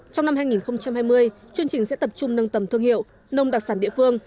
trong năm hai nghìn hai mươi chương trình sẽ tập trung nâng tầm thương hiệu nông đặc sản địa phương